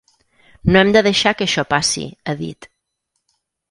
No hem de deixar que això passi, ha dit.